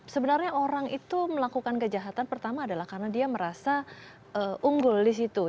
sebenarnya orang itu melakukan kejahatan pertama adalah karena dia merasa unggul di situ